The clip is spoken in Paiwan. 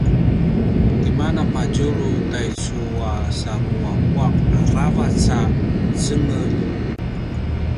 tima napadjulu taicu a nasanguaq aravac a cengelj?